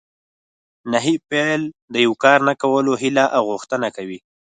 نهي فعل د یو کار نه کولو هیله او غوښتنه کوي.